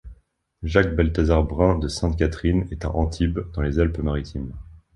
Jacques Balthazar Brun de Sainte-Catherine est à Antibes dans les Alpes-Maritimes.